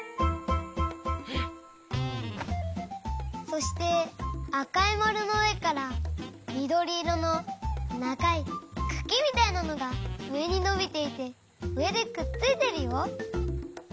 そしてあかいまるのうえからみどりいろのながいくきみたいなのがうえにのびていてうえでくっついてるよ。